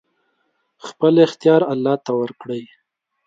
خپل اختيار الله ته ورکړئ!